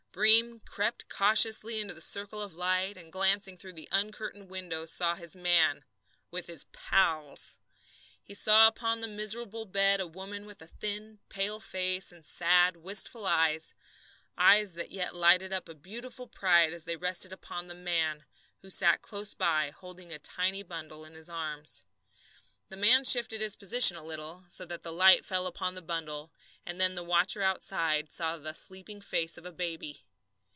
Breem crept cautiously into the circle of light, and glancing through the uncurtained window, saw his man with his "pals." He saw upon the miserable bed a woman with a thin, pale face and sad, wistful eyes, eyes that yet lighted up with a beautiful pride as they rested upon the man, who sat close by, holding a tiny bundle in his arms. The man shifted his position a little, so that the light fell upon the bundle, and then the watcher outside saw the sleeping face of a baby.